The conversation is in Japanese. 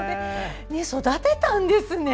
育てたんですね。